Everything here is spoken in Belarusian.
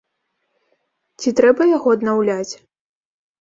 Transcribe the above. Ці трэба яго аднаўляць?